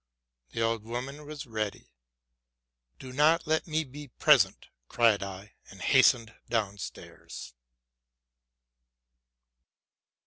'' The old woman was ready. '* Do not let me be present,'' cried I, and hastened down stairs.